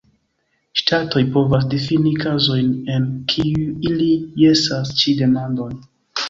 Ŝtatoj povas difini kazojn, en kiuj ili jesas ĉi demandon.